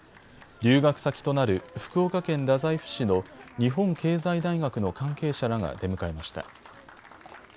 留学先となる福岡県太宰府市の日本経済大学の関係者らが出迎えました。